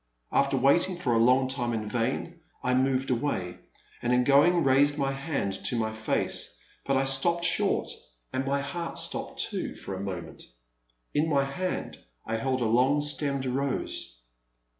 After waiting for a long time in vain, I moved away, and in going raised my hand to my face, but I stopped short, and my heart stopped too, for a moment. In my hand I held a long stemmed rose.